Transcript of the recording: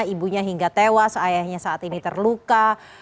ibunya hingga tewas ayahnya saat ini terluka